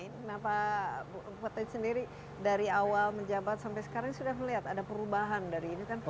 kenapa butet sendiri dari awal menjabat sampai sekarang sudah melihat ada perubahan dari ini kan